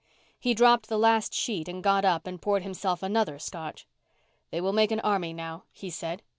He dropped the last sheet and got up and poured himself another Scotch. "They will make an army now," he said.